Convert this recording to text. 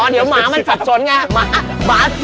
เดี๋ยวหมามันสับสนไง